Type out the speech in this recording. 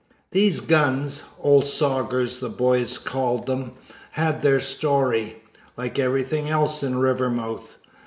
These guns ("old sogers" the boys called them) had their story, like everything else in Rivermouth.